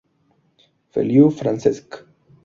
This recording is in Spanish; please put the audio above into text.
Feliu, Francesc.